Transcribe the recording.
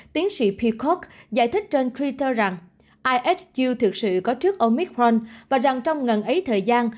tiến sĩ peacock giải thích trên twitter rằng ihu thực sự có trước omicron và rằng trong ngần ấy thời gian